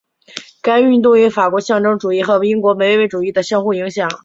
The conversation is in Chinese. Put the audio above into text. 该运动与法国象征主义和英国唯美主义相互影响。